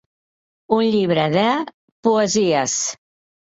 -Un llibre de, poesies!…